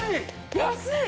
安い！